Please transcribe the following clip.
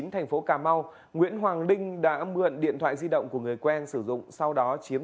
thành phố cà mau nguyễn hoàng linh đã mượn điện thoại di động của người quen sử dụng sau đó chiếm